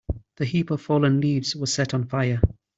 The heap of fallen leaves was set on fire.